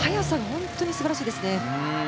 本当に素晴らしいですね。